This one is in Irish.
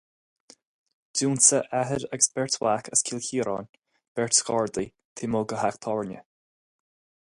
D'ionsaigh athair agus beirt mhac as Cill Chiaráin beirt Ghardaí taobh amuigh de theach tábhairne.